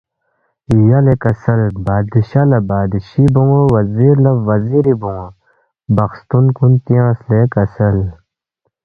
یلے کسل تا بادشاہ لہ بادشی بون٘و وزیر لہ وزیری بون٘و بخستون کُن تیانگس لے کسل